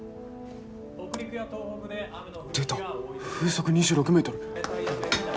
出た風速２６メートル。